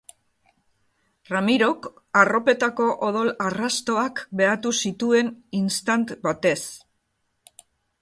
Ramirok arropetako odol arrastoak behatu zituen istant batez.